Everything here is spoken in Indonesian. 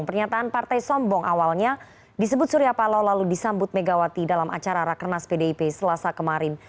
pernyataan partai sombong awalnya disebut surya paloh lalu disambut megawati dalam acara rakernas pdip selasa kemarin